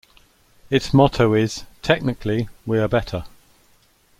Its motto is "Technically", we're better.